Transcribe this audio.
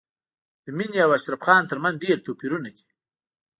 د مينې او اشرف خان تر منځ ډېر توپیرونه دي